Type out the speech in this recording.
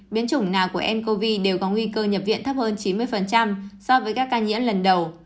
biến chủng nào của ncov đều có nguy cơ nhập viện thấp hơn chín mươi so với các ca nhiễm lần đầu